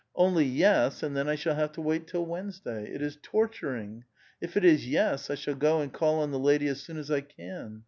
Only yes, and then I shall have to wait till Wednesday ! It is tortur ing. If it is yes^ I shall go and call on the lady as soon as I can.